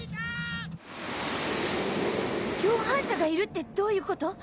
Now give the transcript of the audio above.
共犯者がいるってどういうこと？